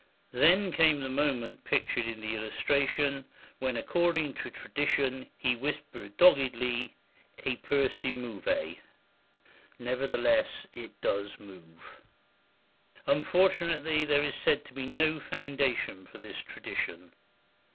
Then came the moment pictured in the illustration when, according to tradition, he whispered doggedly, "E pur si muove" (Nevertheless, it does move). Unfortunately there is said to be no foundation for this tradition.